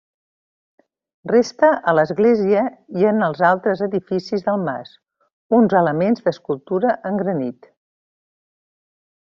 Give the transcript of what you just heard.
Resta, a l'església i en els altres edificis del mas, uns elements d'escultura en granit.